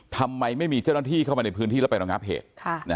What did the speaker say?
ทำไมไม่มีเจ้าหน้าที่เข้ามาในพื้นที่แล้วไประงับเหตุ